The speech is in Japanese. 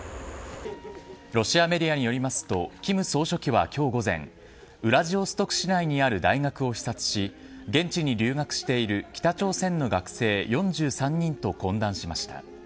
ロシアメディアによりますと金総書記は今日午前ウラジオストク市内にある大学を視察し現地に留学している北朝鮮の学生４３人と懇談しました。